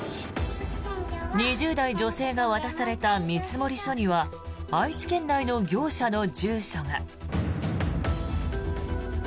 ２０代女性が渡された見積書には愛知県内の業者の住所が。